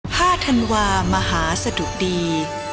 ห้าธันวามหาสดุดี